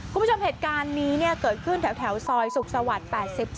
คุณผู้ชมเหตุการณ์นี้เกิดขึ้นแถวซอยสุขสวรรค์๘๗